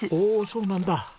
そうなんだ。